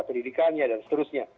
tiga pendidikannya dan seterusnya